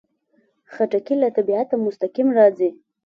خټکی له طبیعته مستقیم راځي.